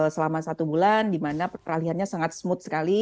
selama satu bulan dimana peralihannya sangat smooth sekali